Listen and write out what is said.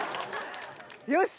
よし！